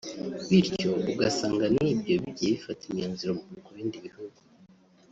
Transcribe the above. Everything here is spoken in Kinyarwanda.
bityo ugasanga nibyo bigiye bifata imyanzuro ku bindi bihugu